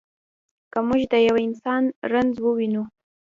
که موږ د یوه انسان رنځ ووینو.